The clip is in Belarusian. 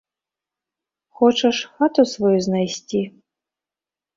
Хочаш хату сваю знайсці?